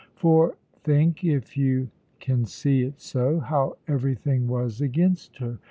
For think, if you can see it so, how everything was against her.